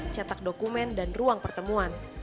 cetak dokumen dan ruang pertemuan